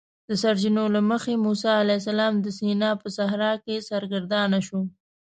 د سرچینو له مخې موسی علیه السلام د سینا په صحرا کې سرګردانه شو.